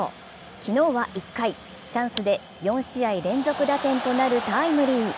昨日は１回、チャンスで４試合連続打点となるタイムリー。